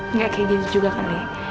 nggak kayak gitu juga kan li